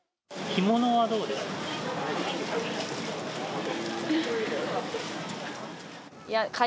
干物はどうですか？